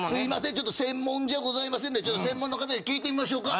ちょっと専門じゃございませんので専門の方に聞いてみましょうか。